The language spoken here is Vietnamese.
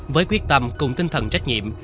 với quyết tâm cùng tinh thần trách nhiệm